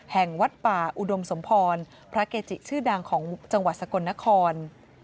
วัดป่าอุดมสมพรพระเกจิชื่อดังของจังหวัดสกลนคร